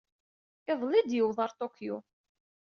Iḍelli ay d-yuweḍ ɣer Tokyo.